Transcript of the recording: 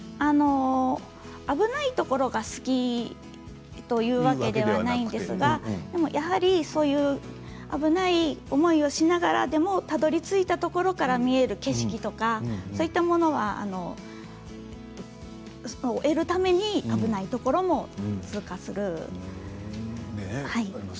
危ないところが好きというわけではないんですがやはり、危ない思いをしながらでもたどりついたところから見える景色とかそういったものを得るために危ないところを通過するということです。